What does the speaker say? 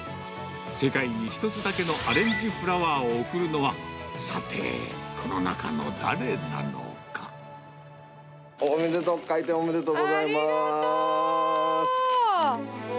世界に一つだけのアレンジフラワーを贈るのは、さて、この中の誰おめでとう、開店おめでとうありがとう。